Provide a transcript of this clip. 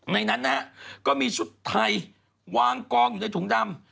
ในนั้นนะฮะก็มีชุดไทยวางกองอยู่ในถุงดำ